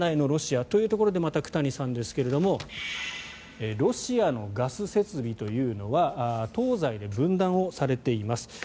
ロシアということでまた久谷さんですがロシアのガス設備というのは東西で分断をされています。